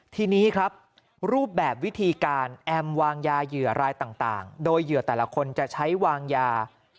ทีนี้ครับรูปแบบวิธีการแอมวางยาเหยื่อรายต่างโดยเหยื่อแต่ละคนจะใช้วางยา